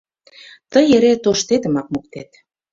Тый эре тоштетымак моктет.